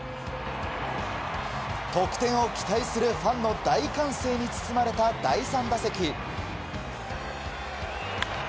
得点を期待するファンの大歓声に包まれた第３打席。